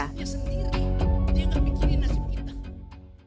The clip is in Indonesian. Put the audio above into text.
tidak berkirin nasib kita